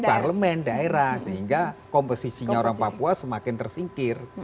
di parlemen daerah sehingga komposisinya orang papua semakin tersingkir